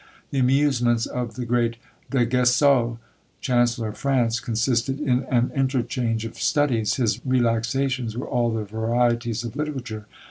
The amusements of the great d'Aguesseau, chancellor of France, consisted in an interchange of studies; his relaxations were all the varieties of literature.